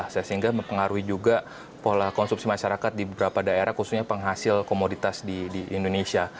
sehingga mempengaruhi juga pola konsumsi masyarakat di beberapa daerah khususnya penghasil komoditas di indonesia